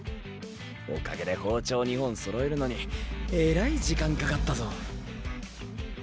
おかげで包丁２本そろえるのにえらい時間かかったぞ。